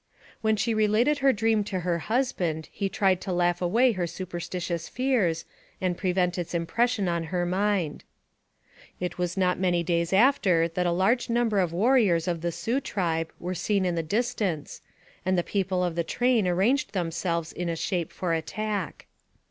When she related her dream to her husband, he tried to laugh away her superstitious fears, and prevent its impression on her mind. It was not many days after that a large number of warriors of the Sioux tribe were seen in the distance, and the people of the train arranged themselves in a shape for attack.